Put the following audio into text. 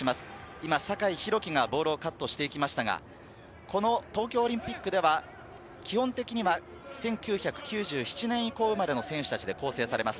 今、酒井宏樹がボールをカットしていきましたが、この東京オリンピックでは、基本的には１９９７年以降までの選手たちで構成されます。